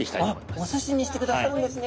おすしにしてくださるんですね。